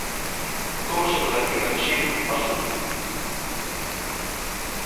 Como se relaciona Lixeiro co paso do tempo?